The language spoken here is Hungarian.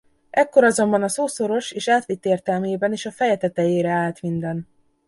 Ekkor azonban a szó szoros és átvitt értelmében is a feje tetejére állt minden.